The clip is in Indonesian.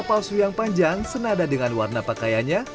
palsu yang panjang senada dengan warna pakaiannya